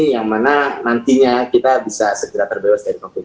yang mana nantinya kita bisa segera terbebas dari covid sembilan belas